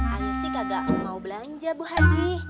ayah sih kagak mau belanja bu haji